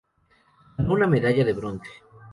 Ganó una medalla de bronce.